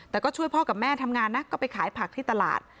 แต่ก็ช่วยพ่อกับแม่ทำงานนะก็ไปขายผักที่ตลาด